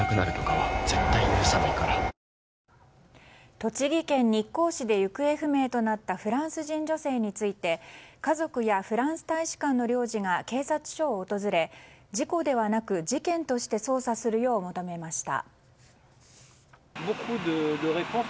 栃木県日光市で行方不明となったフランス人女性について家族やフランス大使館の領事が警察署を訪れ事故ではなく事件として捜査するよう求めました。